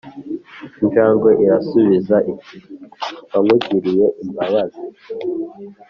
Injangwe irayisubiza iti mbankugiriye imbabazi